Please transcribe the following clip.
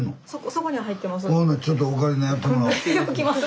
そこに入ってます。